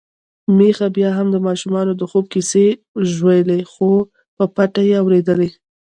میښه بيا هم د ماشومانو د خوب کیسې ژولي، خو په پټه يې اوريدلې.